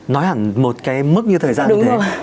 nói hẳn một cái mức như thời gian như thế